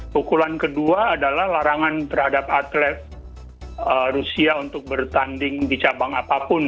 pukulan kedua adalah larangan terhadap atlet rusia untuk bertanding di cabang apapun